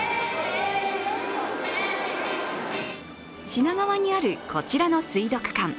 品川にある、こちらの水族館。